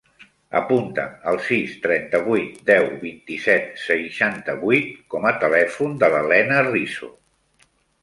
Apunta el sis, trenta-vuit, deu, vint-i-set, seixanta-vuit com a telèfon de la Lena Rizo.